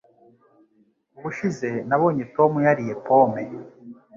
Ubushize nabonye Tom yariye pome.